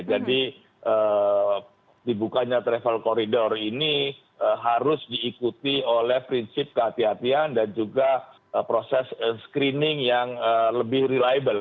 jadi dibukanya travel corridor ini harus diikuti oleh prinsip kehatian dan juga proses screening yang lebih reliable